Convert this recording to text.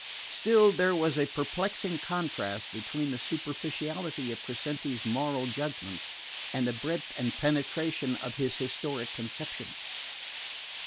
Still there was a perplexing contrast between the superficiality of Crescenti's moral judgments and the breadth and penetration of his historic conceptions.